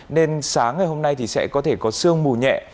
nên sáng ngày hôm nay thì sẽ có thể có sương mù nhẹ